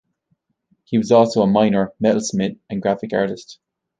He was also a miner, metalsmith, and graphic artist.